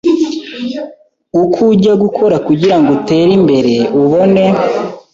uko ujya gukora kugirango utere imbere ubone